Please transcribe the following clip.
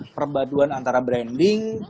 perpaduan antara branding